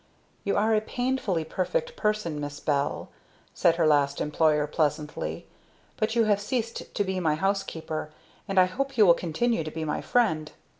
"You are a painfully perfect person, Miss Bell," said her last employer, pleasantly, "but you have ceased to be my housekeeper and I hope you will continue to be my friend.